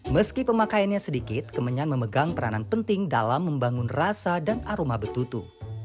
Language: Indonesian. meski pemakaiannya sedikit kemenyan memegang peranan penting dalam membangun rasa dan aroma betutu